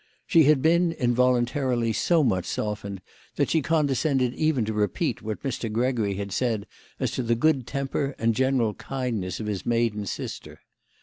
She had been, involuntarily, so much softened that she condescended even to repeat what Mr. Gregory had said as to the good temper and general kindness of his maiden sister.